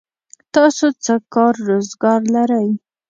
تاسو څه کار روزګار لرئ؟